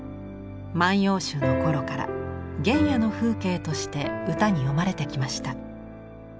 万葉集の頃から原野の風景として歌に詠まれてきました。